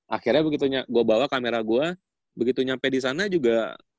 akhirnya begitu gua bawa kamera gua begitu nyampe disana juga